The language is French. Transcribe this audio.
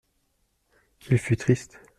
Il fut triste.